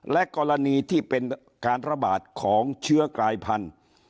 และกรณีที่เป็นการระบาดของเชื้อกลายพันธุ์